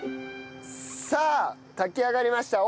さあ炊き上がりました。